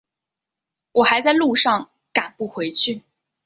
我还在路上赶不回去